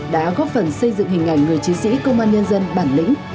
đúng nguyên bản